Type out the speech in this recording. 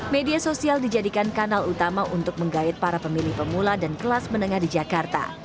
media sosial dijadikan kanal utama untuk menggait para pemilih pemula dan kelas menengah di jakarta